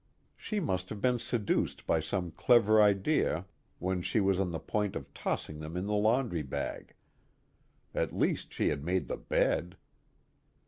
She must have been seduced by some clever idea when she was on the point of tossing them in the laundry bag. At least she had made the bed.